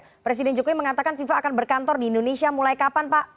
pak presiden jokowi mengatakan fifa akan berkantor di indonesia mulai kapan pak